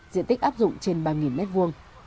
diện tích áp dụng trên ba m hai